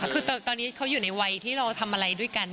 คือตอนนี้เขาอยู่ในวัยที่เราทำอะไรด้วยกัน